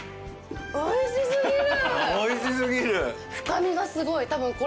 おいしすぎる？